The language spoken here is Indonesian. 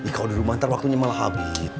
kalau di rumah ntar waktunya malah habis